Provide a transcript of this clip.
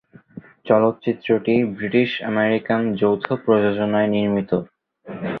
চলচ্চিত্রটি ব্রিটিশ-আমেরিকান যৌথ প্রযোজনায় নির্মিত।